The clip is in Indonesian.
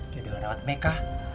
dia udah rawat meka